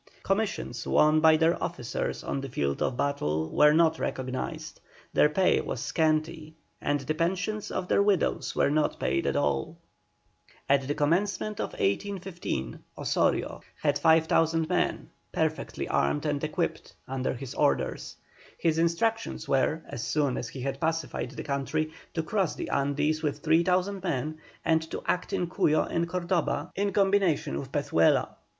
Commissions won by their officers on the field of battle were not recognised, their pay was scanty, and the pensions of their widows were not paid at all. At the commencement of 1815 Osorio had 5,000 men, perfectly armed and equipped, under his orders. His instructions were, as soon as he had pacified the country, to cross the Andes with 3,000 men, and to act in Cuyo and Cordoba in combination with Pezuela.